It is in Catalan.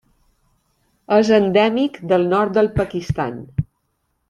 És endèmic del nord del Pakistan.